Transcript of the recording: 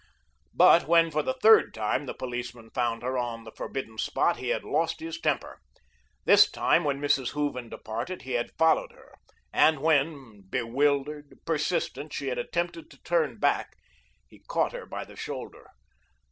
But when for the third time the policeman found her on the forbidden spot, he had lost his temper. This time when Mrs. Hooven departed, he had followed her, and when, bewildered, persistent, she had attempted to turn back, he caught her by the shoulder.